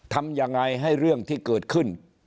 ทำยังไงให้เรื่องที่เกิดขึ้น